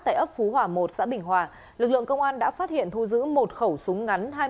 tại ấp phú hòa một xã bình hòa lực lượng công an đã phát hiện thu giữ một khẩu súng ngắn